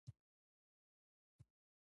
نېټ دې نه کاروي